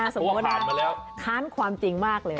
สมมุติว่าค้านความจริงมากเลยนะ